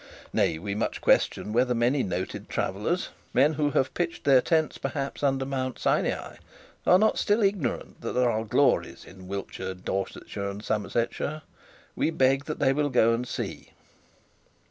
Nay, we much question whether many noted travellers, many who have pitched their tents perhaps under Mount Sinai, are not still ignorant that there are glories in Wiltshire, Dorsetshire and Somersetshire. We beg that they will go and see.